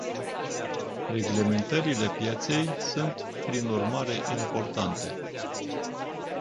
Reglementările pieței sunt, prin urmare, importante.